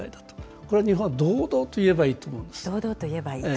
これ、日本は堂々と言えばいいと思うんですよ。